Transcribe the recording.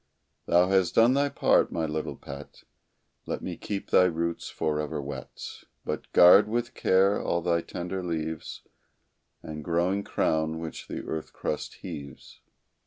Thou hast done thy part, my little pet Let me keep thy roots forever wet, But guard with care all thy tender leaves And growing crown, which the earth crust heaves.